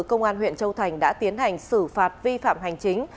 công an huyện châu thành đã tiến hành xử phạt vi phạm hành chính